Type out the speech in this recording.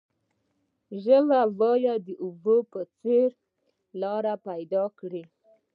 ژبه باید د اوبو په څیر لاره پیدا کړي.